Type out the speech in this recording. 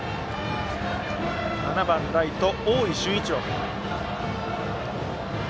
７番ライト、大井駿一郎。